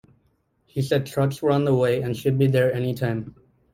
He said trucks were on the way and should be there "any time".